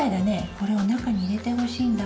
これを中に入れてほしいんだ。